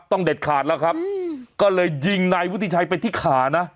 เด็ดขาดแล้วครับก็เลยยิงนายวุฒิชัยไปที่ขานะ